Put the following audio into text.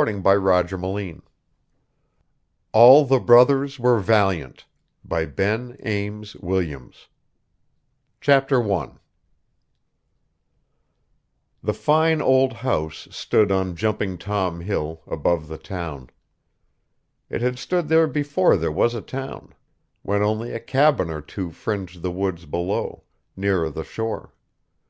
Published, May, 1919 ALL THE BROTHERS WERE VALIANT ALL THE BROTHERS WERE VALIANT I The fine old house stood on Jumping Tom Hill, above the town. It had stood there before there was a town, when only a cabin or two fringed the woods below, nearer the shore.